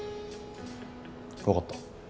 わかった。